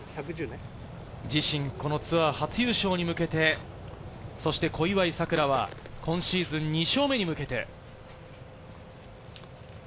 自身このツアー初優勝に向けて、そして小祝さくらは、今シーズン２勝目に向けて。